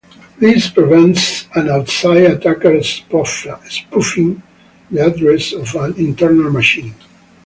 This prevents an outside attacker spoofing the address of an internal machine.